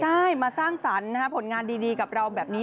ใช่มาสร้างสรรค์ผลงานดีกับเราแบบนี้